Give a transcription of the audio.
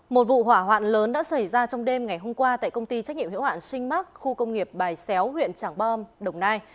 một vụ hỏa hoạn lớn đã xảy ra trong đêm ngày hôm qua tại công ty trách nhiệm hiệu hạn sinh mac khu công nghiệp bài xéo huyện trảng bom đồng nai